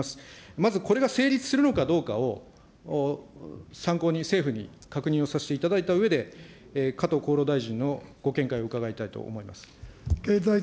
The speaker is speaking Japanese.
まずこれが成立するのかどうかを、参考に、政府に確認をさせていただいたうえで、加藤厚労大臣のご見解を伺いたいと思います。